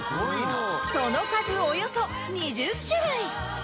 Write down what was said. その数およそ２０種類